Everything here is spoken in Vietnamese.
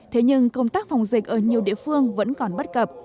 thế nhưng công tác phòng dịch ở nhiều địa phương vẫn còn bất cập